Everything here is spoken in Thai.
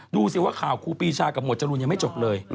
ดูสิว่าข่าวครูปีชากับหวดจรูนยังไม่จบเลย